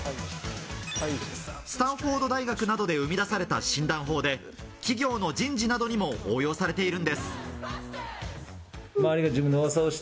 スタンフォード大学などで生み出された診断法で企業の人事などにも応用されているんです。